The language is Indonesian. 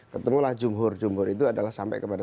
ketemulah jumhur jumhur itu adalah sampai kepada